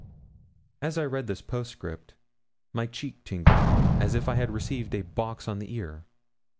As I read this postscript, my cheek tingled as if I had received a box on the ear.